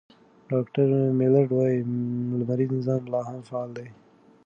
ډاکټر میلرډ وايي، لمریز نظام لا هم فعال دی.